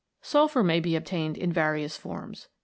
Sulphur may be obtained in various forms.